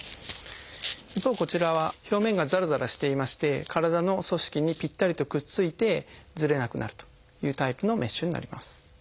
一方こちらは表面がざらざらしていまして体の組織にぴったりとくっついてずれなくなるというタイプのメッシュになります。